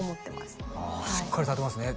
しっかりされてますね